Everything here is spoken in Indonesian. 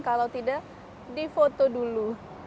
kalau tidak di foto dulu